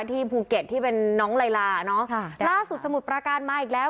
ที่ภูเก็ตที่เป็นน้องลายลาเนอะค่ะล่าสุดสมุทรประการมาอีกแล้ว